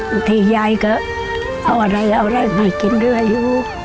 อาทิตยายก็เอาอะไรกิ่นด้วยอยู่